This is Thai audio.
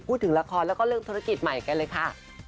พูดถึงละครแล้วก็เรื่องธุรกิจใหม่กันเลยค่ะ